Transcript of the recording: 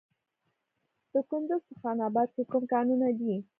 د کندز په خان اباد کې کوم کانونه دي؟